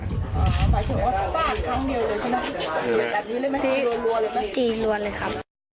ทีจีลวนเลยครับ